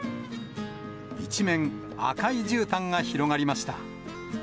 一面、赤いじゅうたんが広がりました。